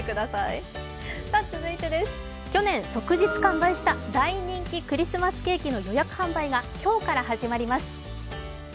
去年、即日完売した大人気クリスマスケーキの予約販売が今日から始まります。